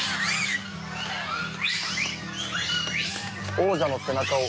王者の背中を。